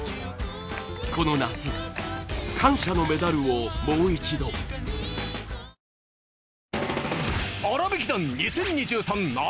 この夏感謝のメダルをもう一度「あらびき団２０２３夏」